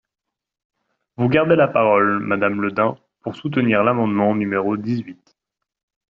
Vous gardez la parole, madame Le Dain, pour soutenir l’amendement numéro dix-huit.